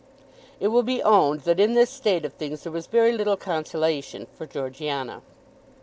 It will be owned that in this state of things there was very little consolation for Georgiana.